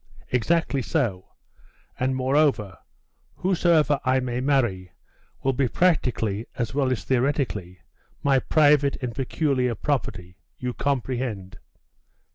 'Exactly so; and moreover, whosoever I may marry, will be practically, as well as theoretically, my private and peculiar property.... You comprehend.